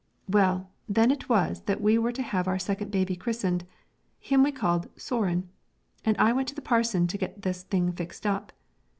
Well, then it was that we were to have our second boy christened, him we called Sören, and I went to the parson to get this thing fixed up.